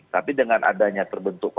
tapi dengan adanya terbentuknya